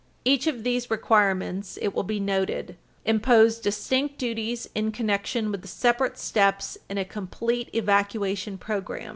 Each of these requirements, it will be noted, imposed distinct duties in connection with the separate steps in a complete evacuation program.